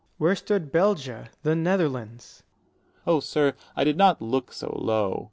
_ Where stood Belgia, the Netherlands? Dro. S. Oh, sir, I did not look so low.